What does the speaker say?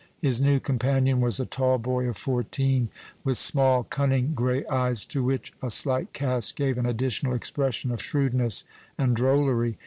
His new companion was a tall boy of fourteen, with small, cunning, gray eyes, to which a slight cast gave an additional expression of shrewdness and drollery.